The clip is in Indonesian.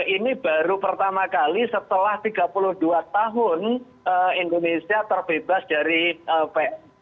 ini baru pertama kali setelah tiga puluh dua tahun indonesia terbebas dari